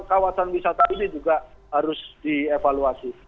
kawasan wisata ini juga harus dievaluasi